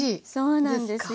そうなんですよ